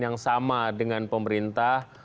yang sama dengan pemerintah